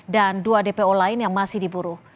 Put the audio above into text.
dan dua dpo lain yang masih diburu